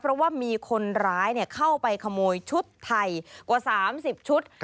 เพราะว่ามีคนร้ายเข้าไปขโมยชุดไทยกว่า๓๐ชุด